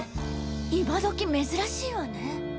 今どき珍しいわね。